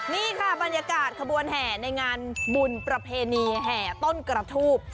นี่ค่ะบรรยากาศขบวนแห่ในงานบุญประเพณีแห่ต้นกระทูบ